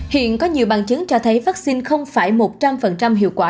hiện có nhiều bằng chứng cho thấy vaccine không phải một trăm linh hiệu quả